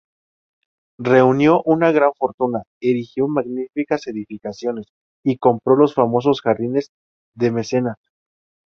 Reunió una gran fortuna, erigió magníficas edificaciones y compró los famosos jardines de Mecenas.